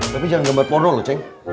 tapi jangan gambar ponol loh ceng